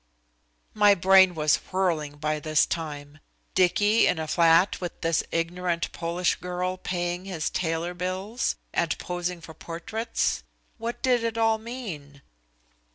My brain was whirling by this time. Dicky in a flat with this ignorant Polish girl paying his tailor bills, and posing for portraits. What did it all mean?